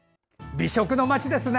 美食の街ですね！